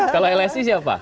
kalau lsi siapa